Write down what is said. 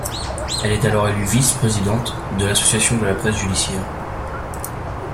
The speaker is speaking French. Elle est alors élue vice-présidente de l'Association de la presse judiciaire.